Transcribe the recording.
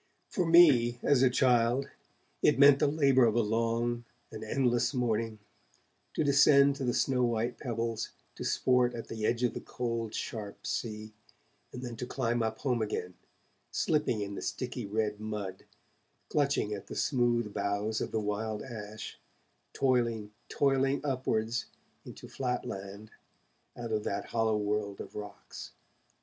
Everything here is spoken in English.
For me, as a child, it meant the labour of a long, an endless morning, to descend to the snow white pebbles, to sport at the edge of the cold, sharp sea, and then to climb up home again, slipping in the sticky red mud, clutching at the smooth boughs of the wild ash, toiling, toiling upwards into flat land out of that hollow world of rocks.